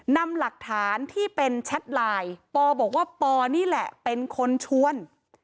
นำหลักฐานที่เป็นแชทไลน์ปอบอกว่าปอนี่แหละเป็นคนชวน